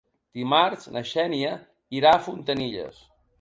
Dimarts na Xènia irà a Fontanilles.